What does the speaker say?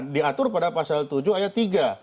diatur pada pasal tujuh ayat tiga